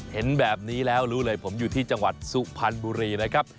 เห็นแบบนี้แล้วรู้เลยผมอยู่ที่จังหวัดสุพรรณบุรีนะครับ